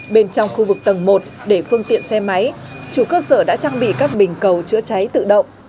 bên trong khu vực tầng một để phương tiện xe máy chủ cơ sở đã trang bị các bình cầu chữa cháy tự động